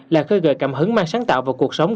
là khơi gợi cảm hứng mang sáng tạo vào cuộc sống